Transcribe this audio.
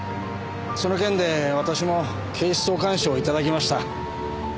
その件で私も警視総監賞をいただきました。